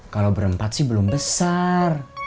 kalau berempat sih belum besar